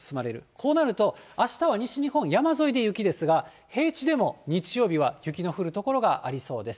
こうなると、あしたは西日本、山沿いで雪ですが、平地でも日曜日は雪の降る所がありそうです。